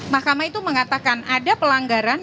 mahkamah itu mengatakan ada pelanggaran